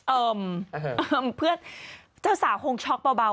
เอิ่มเจ้าสาวคงช็อคเบาว่า